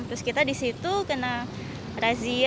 terus kita di situ kena razia